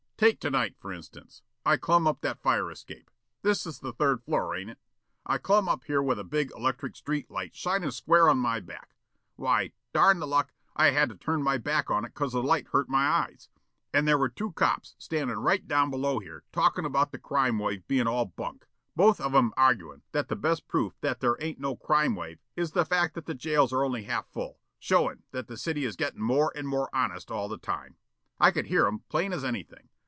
Take to night, for instance. I clumb up that fire escape, this is the third floor, ain't it? I clumb up here with a big electric street light shinin' square on my back, why, darn the luck, I had to turn my back on it 'cause the light hurt my eyes, and there were two cops standin' right down below here talkin' about the crime wave bein' all bunk, both of 'em arguin' that the best proof that there ain't no crime wave is the fact that the jails are only half full, showin' that the city is gettin' more and more honest all the time. I could hear 'em plain as anything.